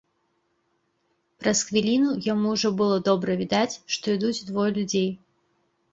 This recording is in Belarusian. Праз хвіліну яму ўжо было добра відаць, што ідуць двое людзей.